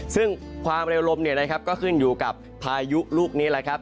ซึ่งความเร็วลมเนี่ยนะครับก็ขึ้นอยู่กับพายุลูกนี้แหละครับ